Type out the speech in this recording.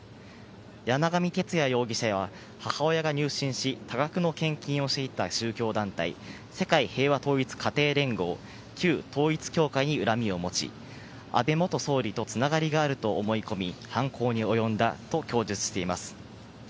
山上徹也容疑者は、母親が入信し、多額の献金をしていた宗教団体、世界平和統一家庭連合、旧統一教会に恨みを持ち、安倍元総理とつながりがあると思い込み、犯行に及んだと供述しています。